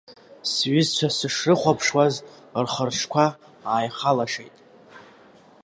Сҩызцәа сышрыхәаԥшуаз, рхы-рҿқәа ааихалашеит.